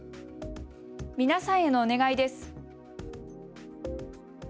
皆さんへのお願いです。